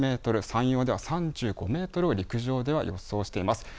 山陽では３５メートルを陸上では予想しています。